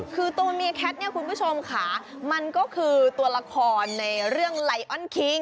คือตัวเมียแคทเนี่ยคุณผู้ชมค่ะมันก็คือตัวละครในเรื่องไลออนคิง